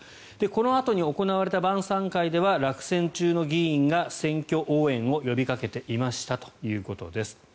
このあとに行われた晩さん会では落選中の議員が選挙応援を呼びかけていましたということです。